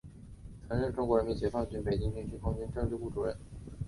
曾任中国人民解放军北京军区空军政治部主任。